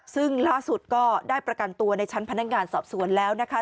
ซึ่งล่าสุดก็ได้ประกันตัวในชั้นพนักงานสอบสวนแล้วนะคะ